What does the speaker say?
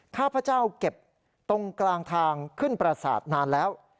ข้าพเจ้าเก็บตรงกลางทางขึ้นประสาทนานแล้ว